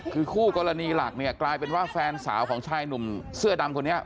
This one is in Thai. คือคู่กรณีหลักเนี่ยกลายเป็นว่าแฟนสาวของชายหนุ่มเสื้อดำคนนี้